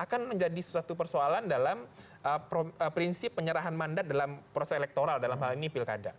akan menjadi sesuatu persoalan dalam prinsip penyerahan mandat dalam proses elektoral dalam hal ini pilkada